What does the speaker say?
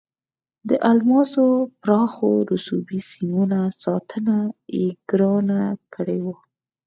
د الماسو پراخو رسوبي سیمو ساتنه یې ګرانه کړې وه.